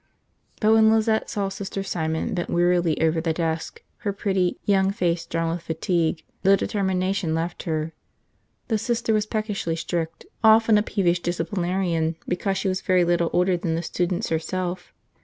But when Lizette saw Sister Simon bent wearily over the desk, her pretty, young face drawn with fatigue, the determination left her. The Sister was peckishly strict, often a peevish disciplinarian because she was very little older than the students herself.